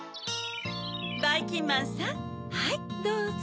ばいきんまんさんはいどうぞ。